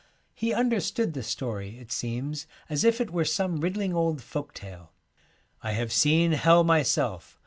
He understood the story, it seems, as if it were some riddling old folk tale. ' I have seen Hell myself.